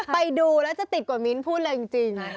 ไปดูแล้วจะติดกว่ามิ้นท์พูดเลยจริง